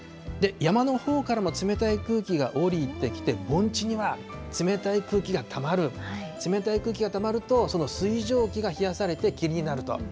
山のほうからの冷たい空気が下りてきて、盆地には冷たい空気がたまる、冷たい空気がたまるとその水蒸気が冷やされて霧になると。